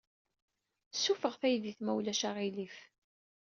Ssuffeɣ taydit, ma ulac aɣilif.